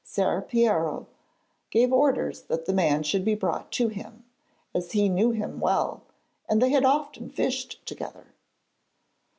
Ser Piero gave orders that the man should be brought to him, as he knew him well, and they had often fished together.